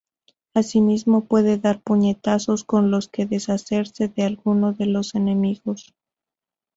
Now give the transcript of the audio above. Asimismo, puede dar puñetazos con los que deshacerse de alguno de los enemigos.